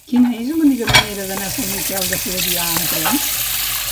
Quina és la millor manera d'anar a Sant Miquel de Fluvià amb tren?